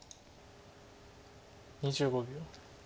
２５秒。